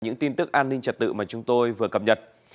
những tin tức an ninh trật tự mà chúng tôi vừa cập nhật